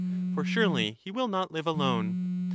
For surely he will not live alone.